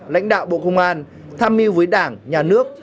lãnh đạo bộ công an tham mưu với đảng nhà nước